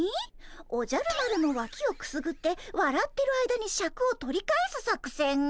「おじゃる丸のわきをくすぐってわらってる間にシャクを取り返す作戦」？